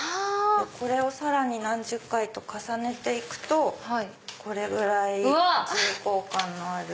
これをさらに何十回と重ねて行くとこれぐらい重厚感のある。